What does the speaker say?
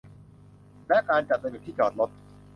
และการจัดระเบียบที่จอดรถ